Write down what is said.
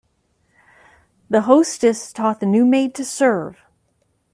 The hostess taught the new maid to serve.